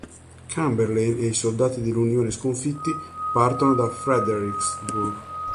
Chamberlain e i soldati dell'Unione sconfitti partono da Fredericksburg.